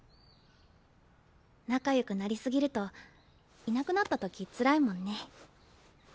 仲よくなり過ぎるといなくなったときつらいもんね。